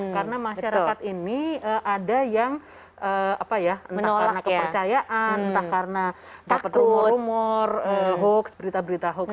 karena masyarakat ini ada yang menolak kepercayaan entah karena dapat rumor rumor berita berita hoax